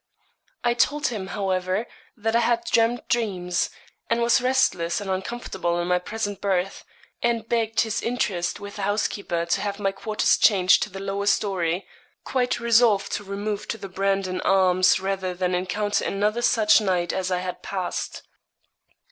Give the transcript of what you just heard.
I told him, however, that I had dreamed dreams, and was restless and uncomfortable in my present berth, and begged his interest with the housekeeper to have my quarters changed to the lower storey quite resolved to remove to the 'Brandon Arms,' rather than encounter another such night as I had passed.